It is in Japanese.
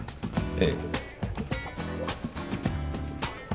ええ。